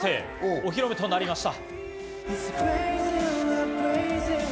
お披露目となりました。